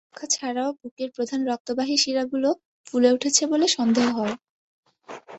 যক্ষ্মা ছাড়াও বুকের প্রধান রক্তবাহী শিরাগুলোও ফুলে উঠেছে বলে সন্দেহ হয়।